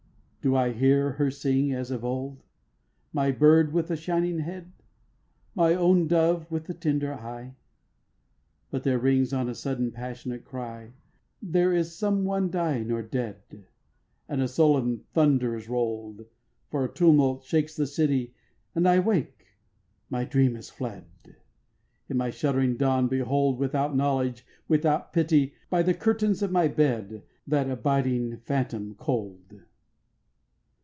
7. Do I hear her sing as of old, My bird with the shining head, My own dove with the tender eye? But there rings on a sudden a passionate cry, There is some one dying or dead, And a sullen thunder is roll'd; For a tumult shakes the city, And I wake, my dream is fled; In the shuddering dawn, behold, Without knowledge, without pity, By the curtains of my bed That abiding phantom cold.